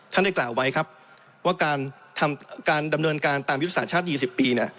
ฉันจะกล่าวไว้ครับว่าการดำเนินการตามยุทธศาสตร์ชาติ๒๐ปี